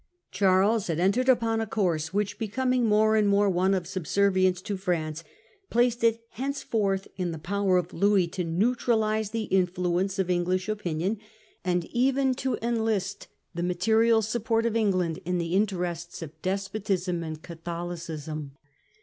Charles Treaty of had entered upon a course which, becoming Dover, more and more one of subservience to France, placed it henceforth in the power of Louis to neutralise the influence of English opinion, and even to enlist the material support of England in the interests of despotism and Catholicism.